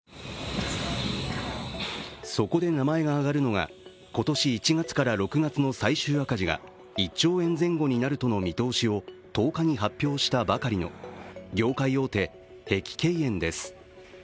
そこで名前が挙がるのが今年１月から６月の最終赤字が１兆円前後なるとの見通しを１０日に発表したばかりの業界大手、碧桂園です。